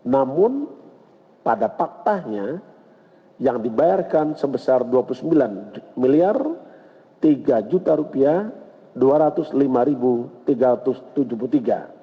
namun pada paktahnya yang dibayarkan sebesar dua puluh sembilan tiga dua ratus lima tiga ratus tujuh puluh tiga rupiah